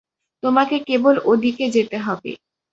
তোমাকে কেবল ওদিকে যেতে হবে।